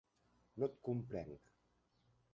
No et comprenc.